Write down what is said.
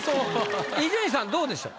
伊集院さんどうでしょう？